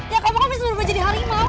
ya kamu harus belajar di harimau